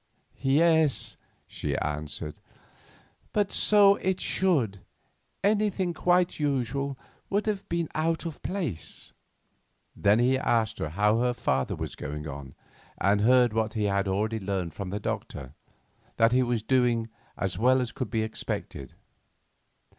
"Yes," she answered; "but so it should, anything quite usual would have been out of place to day." Then he asked her how her father was going on, and heard what he had already learned from the doctor, that he was doing as well as could be expected.